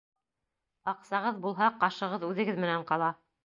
Аҡсағыҙ булһа, ҡашығыҙ үҙегеҙ менән ҡала.